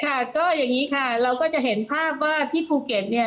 ค่ะก็อย่างนี้ค่ะเราก็จะเห็นภาพว่าที่ภูเก็ตเนี่ย